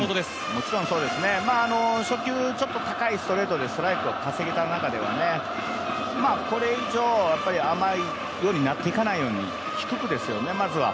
もちろんそうですね、初球ちょっと高いストレートでストライクを稼げた中では、これ以上甘い寄りになっていかないようになっていかないように低くですよね、まずは。